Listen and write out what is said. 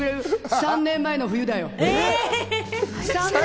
３年前の冬だよ。